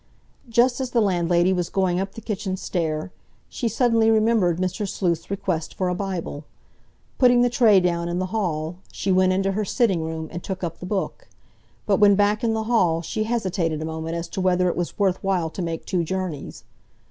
Just as the landlady was going up the kitchen stair, she suddenly remembered Mr. Sleuth's request for a Bible. Putting the tray down in the hall, she went into her sitting room and took up the Book; but when back in the hall she hesitated a moment as to whether it was worth while to make two journeys.